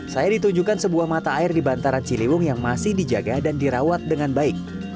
saya ditunjukkan sebuah mata air di bantaran ciliwung yang masih dijaga dan dirawat dengan baik